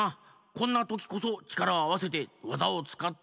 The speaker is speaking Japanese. こんなときこそちからをあわせてわざをつかってここからでる！